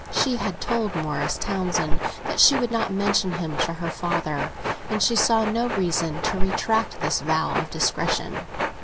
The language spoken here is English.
She had told Morris Townsend that she would not mention him to her father, and she saw no reason to retract this vow of discretion.